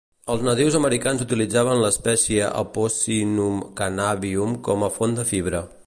Els nadius americans utilitzaven l'espècie "apocynum cannabinum" com a font de fibra.